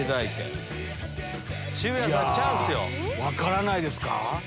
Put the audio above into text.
分からないですか？